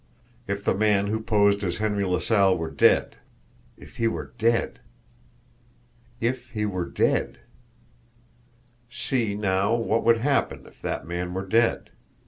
If the man who posed as Henry LaSalle were DEAD! If he were dead! If he were dead! See, now, what would happen if that man were dead!